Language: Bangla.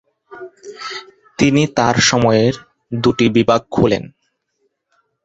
তিনি তার সময়ের দুটি বিভাগ খোলেন।